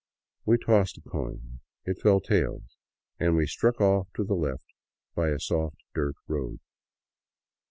We tossed a coin. It fell " tails " and we struck off to the left by a soft dirt road.